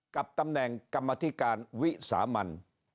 กับตำแหน่งกรรมธิการวิสามัน